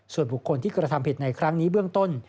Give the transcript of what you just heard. ส่วนบุคคลที่กระทำผิดในครั้งนี้เบื้องต้น